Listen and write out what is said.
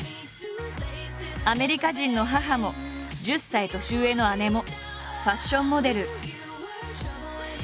アメリカ人の母も１０歳年上の姉もファッションモデル。